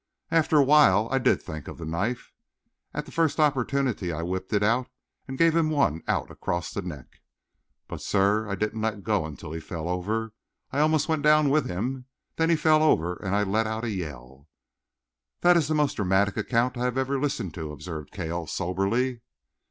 After a while I did think of the knife. At the first opportunity I whipped it out and gave him one out across the neck. But, sir, I didn't let go until he fell over. I almost went down with him. Then he fell over and I let out a yell." "That is the most dramatic account I have ever listened to," observed Cale soberly.